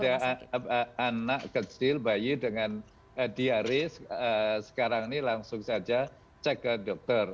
ya anak kecil bayi dengan diaris sekarang ini langsung saja cek ke dokter